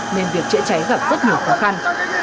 nên việc chữa cháy gặp rất nhiều khó khăn